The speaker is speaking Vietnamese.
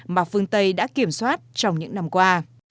mà phương tây đã kiểm soát trong những năm qua